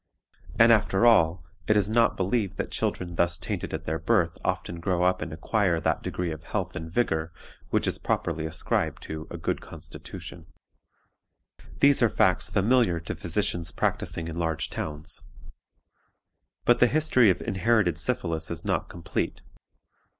And after all, it is not believed that children thus tainted at their birth often grow up and acquire that degree of health and vigor which is popularly ascribed to a good constitution. "These are facts familiar to physicians practicing in large towns. But the history of inherited syphilis is not complete.